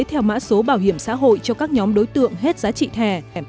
theo mã số bảo hiểm xã hội cho các nhóm đối tượng hết giá trị thẻ